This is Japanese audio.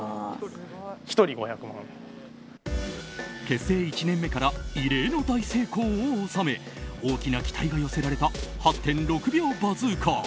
結成１年目から異例の大成功を収め大きな期待が寄せられた８．６秒バズーカー。